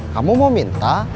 kamu mau minta